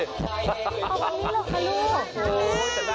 แต่ราดน้อยน่ะ